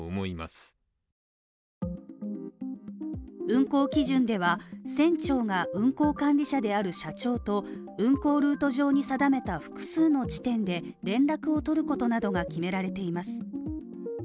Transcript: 運航基準では船長が運航管理者である社長と運航ルート上に定めた複数の時点で連絡を取ることなどが決められています